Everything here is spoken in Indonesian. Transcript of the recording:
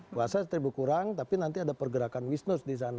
puasa trip berkurang tapi nanti ada pergerakan business di sana